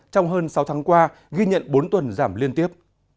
trong hơn sáu tháng qua ghi nhận bốn tuần giảm liên tiếp